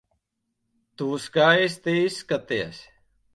Tu skaisti izskaties.